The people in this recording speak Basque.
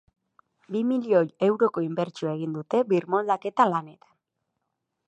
Bi milioi euroko inbertsioa egin dute birmoldaketa lanetan.